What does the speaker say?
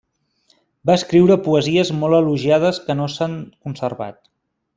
Va escriure poesies molt elogiades que no s'han conservat.